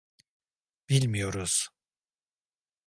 Bilmiyoruz.